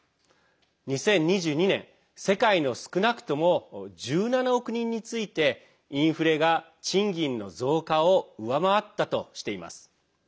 ２０２２年、世界の少なくとも１７億人についてインフレが賃金の増加を上回ったとしています。